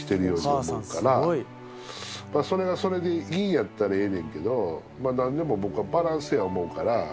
お母さんすごい。それがそれでいいんやったらええねんけど何でも僕はバランスや思うから。